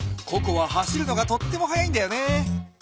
ココは走るのがとっても速いんだよね。